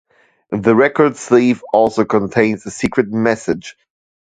The record sleeve also contains a "Secret Message".